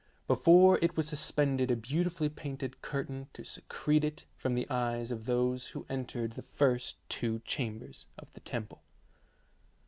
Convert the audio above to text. Before it was sus pended a beautifully painted curtain to secrete it from the eyes of those who entered the first two chambers of the temple.